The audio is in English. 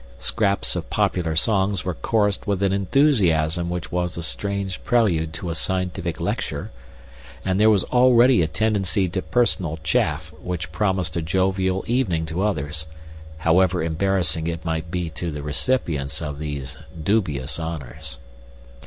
Scraps of popular songs were chorused with an enthusiasm which was a strange prelude to a scientific lecture, and there was already a tendency to personal chaff which promised a jovial evening to others, however embarrassing it might be to the recipients of these dubious honors.